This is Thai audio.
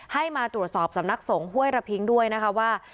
ให้มาตรวจสอบสำนักสงฆ์ห้วยระพิงด้วยนะคะว่า